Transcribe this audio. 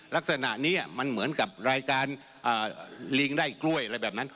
ลักษณะนี้มันเหมือนกับรายการลิงไล่กล้วยอะไรแบบนั้น